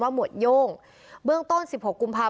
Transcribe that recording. สวัสดีครับ